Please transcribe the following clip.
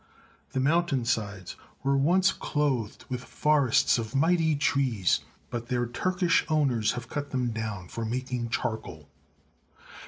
The mountainsides were once clothed with forests of mighty trees, but their Turkish owners have cut them down for making charcoal.